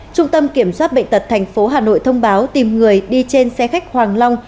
trung tâm kiểm soát bệnh tật tp hà nội thông báo tìm người đi trên xe khách hoàng long